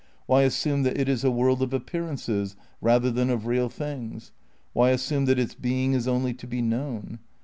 Why assume that it is a world of appearances rather than of real things? Why assume that its being is only to be known